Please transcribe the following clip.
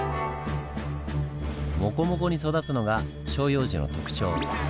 モコモコに育つのが照葉樹の特徴。